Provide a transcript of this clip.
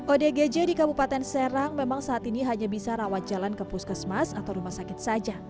odgj di kabupaten serang memang saat ini hanya bisa rawat jalan ke puskesmas atau rumah sakit saja